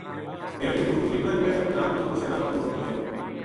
دھیاڑی مزدوری کر کے رات نا اُسے راہ پو مُڑ کے اَیو